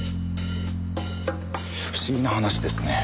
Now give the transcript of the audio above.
不思議な話ですね。